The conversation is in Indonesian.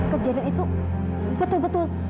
kejadian itu betul betul